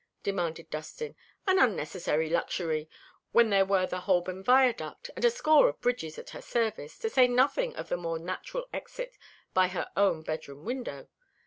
demanded Distin. "An unnecessary luxury, when there were the Holborn Viaduct and a score of bridges at her service, to say nothing of the more natural exit by her own bedroom window.